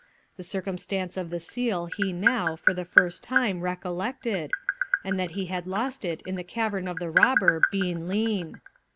The circumstance of the seal he now, for the first time, recollected, and that he had lost it in the cavern of the robber, Bean Lean.